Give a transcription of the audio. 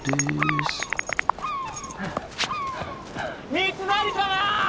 三成様！